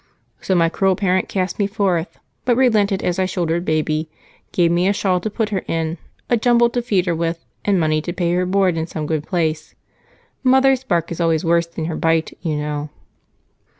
So my cruel parent cast me forth but relented as I shouldered baby, gave me a shawl to put her in, a jumble to feed her with, and money to pay her board in some good place. Mother's bark is always worse than her bite, you know."